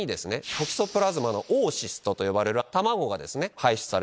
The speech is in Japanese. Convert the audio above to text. トキソプラズマのオーシストと呼ばれる卵が排出される。